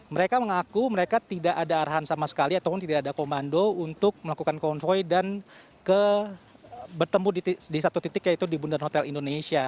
mereka mengaku mereka tidak ada arahan sama sekali ataupun tidak ada komando untuk melakukan konvoy dan bertemu di satu titik yaitu di bundaran hotel indonesia